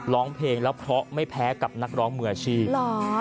ร้องเพลงแล้วเพราะไม่แพ้กับนักร้องมืออาชีพ